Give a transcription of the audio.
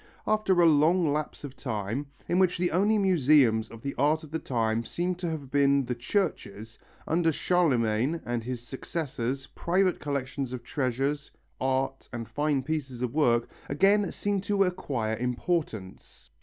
After a long lapse of time, in which the only museums of the art of the time seem to have been the churches, under Charlemagne and his successors private collections of treasures, art and fine pieces of work again seem to acquire importance.